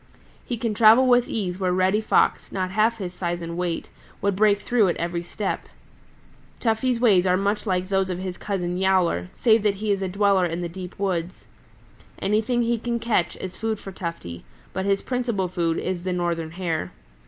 He can travel with ease where Reddy Fox, not half his size and weight, would break through at every step. Tufty's ways are much like those of his cousin, Yowler, save that he is a dweller in the deep woods. Anything he can catch is food for Tufty, but his principal food is the Northern Hare.